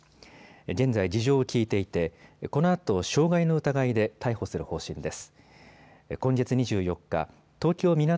現在、事情を聴いていてこのあと傷害の疑いで逮捕する方針です。